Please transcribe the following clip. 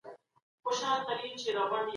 هیوادونه د نړیوال عدالت لپاره څه وړاندیز کوي؟